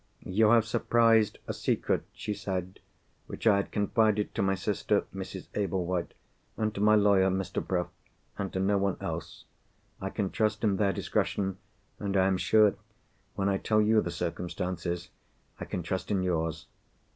"You have surprised a secret," she said, "which I had confided to my sister Mrs. Ablewhite, and to my lawyer Mr. Bruff, and to no one else. I can trust in their discretion; and I am sure, when I tell you the circumstances, I can trust in yours.